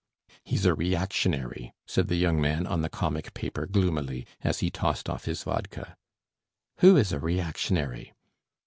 "He's a reactionary," said the young man on the comic paper gloomily, as he tossed off his vodka. "Who is a reactionary?"